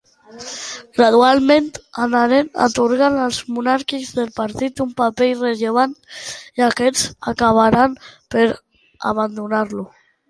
Gradualment anaren atorgant als monàrquics del partit un paper irrellevant i aquests acabaren per abandonar-lo.